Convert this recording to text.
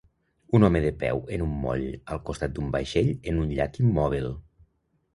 Un home de peu en un moll al costat d'un vaixell en un llac immòbil